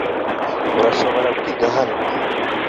urashobora kwiga hano